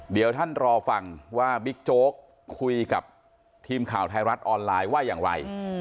เดี๋ยวท่านรอฟังว่าบิ๊กโจ๊กคุยกับทีมข่าวไทยรัฐออนไลน์ว่าอย่างไร